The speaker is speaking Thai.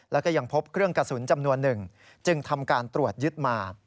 แล้วก็ยังพบเครื่องกระสุนจำนวนหนึ่งจึงทำการตรวจยึดมา